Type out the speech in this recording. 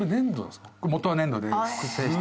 元は粘土で複製して。